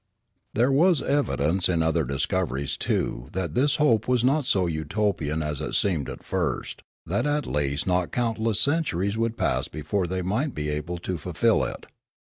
There was evidence in other discoveries too that this hope was not so Utopian as it seemed at first, that at least not countless centuries would pass before they might be able to fulfil it.